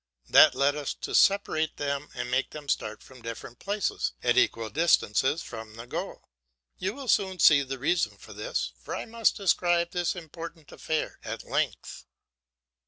That led us to separate them and make them start from different places at equal distances from the goal. You will soon see the reason for this, for I must describe this important affair at length.